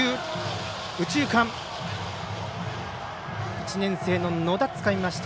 １年生の野田がつかみました。